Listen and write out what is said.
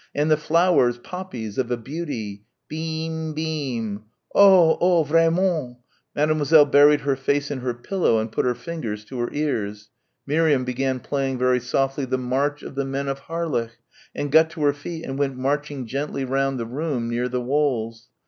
"and the flowers, poppies, of a beauty" "bee eeem beeem" ... "oh, oh, vraiment" Mademoiselle buried her face in her pillow and put her fingers to her ears. Miriam began playing very softly "The March of the Men of Harlech," and got to her feet and went marching gently round the room near the walls.